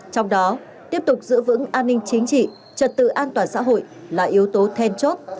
trong đó tiếp tục giữ vững an ninh chính trị trật tự an toàn xã hội là yếu tố then chốt